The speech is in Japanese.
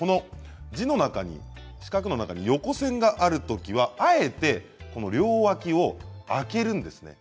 四角の中に横線がある場合はあえて両脇を空けるんですね。